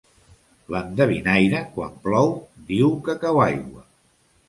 L'endevinaire, quan plou, diu que cau aigua.